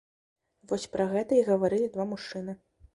Вось пра гэта і гаварылі два мужчыны.